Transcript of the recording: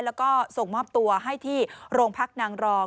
แล้วก็ส่งมอบตัวให้ที่โรงพักนางรอง